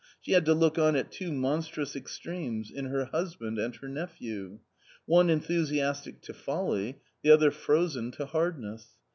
She had to look on at two monstrous extremes — in her husband and her nephew. One enthusiastic to folly — the other frozen to / hardness.